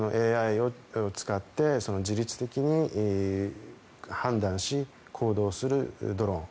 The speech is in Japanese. ＡＩを使って自律的に判断し行動するドローン。